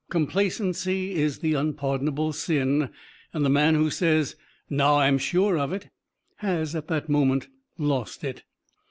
Complacency is the unpardonable sin, and the man who says, "Now I'm sure of it," has at that moment lost it.